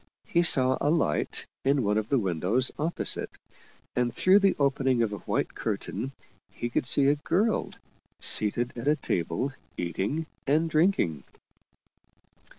He saw a light in one of the windows opposite, and through the opening of a white curtain he could see a girl seated at a table eating and drinking.